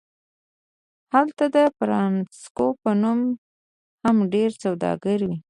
هلته د فرانکس په نوم هم ډیرې سوداګرۍ وې